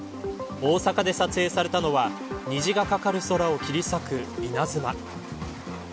大阪で撮影されたのは虹が掛かる空を切り裂く稲妻。